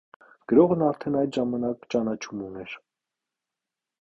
Գրողն արդեն այդ ժամանակ ճանաչում ուներ։